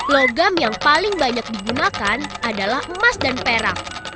logam yang paling banyak digunakan adalah emas dan perak